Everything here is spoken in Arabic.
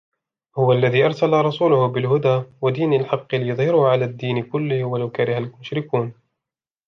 هو الذي أرسل رسوله بالهدى ودين الحق ليظهره على الدين كله ولو كره المشركون